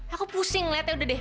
aku pusing liat ya udah deh